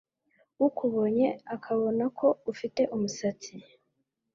ukubonye akabona ko ufite umusatsi